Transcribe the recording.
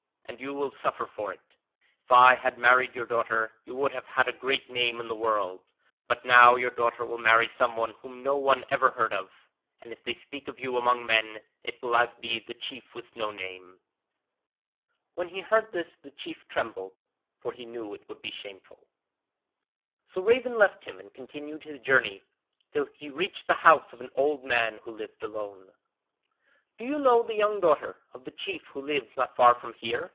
'And you will suffer for it. If I had married your daughter, you would have had a great name in the world, but now your daughter will marry someone whom no one ever heard of, and if they speak of you among men it will be as The Chief with no name.' When he heard this the chief trembled, for he knew it would be shameful. So Raven left him and continued his journey till he reached the house of an old man who lived alone. 'Do you know the young daughter of the chief who lives not far from here?'